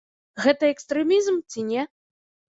Гэта экстрэмізм ці не?